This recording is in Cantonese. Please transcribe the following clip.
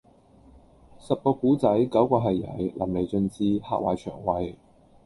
十個古仔，九個係曳，淋漓盡致，嚇壞腸胃